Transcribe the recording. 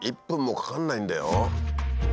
１分もかかんないんだよ。